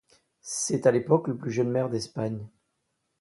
C'est à l'époque le plus jeune maire d'Espagne.